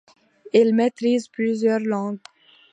Il maîtrise plusieurs langues.